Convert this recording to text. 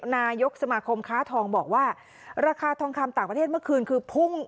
นายกสมาคมค้าทองบอกว่าราคาทองคำต่างประเทศเมื่อคืนคือพุ่ง